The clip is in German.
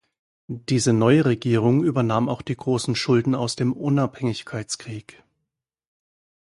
Diese neue Regierung übernahm auch die großen Schulden aus dem Unabhängigkeitskrieg.